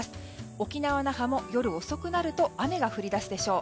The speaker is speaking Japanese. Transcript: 沖縄・那覇も夜遅くなると雨が降りだすでしょう。